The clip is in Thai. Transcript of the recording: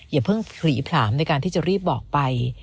อย่าเพิ่งผลีผลามในการที่จะรีบบอกไป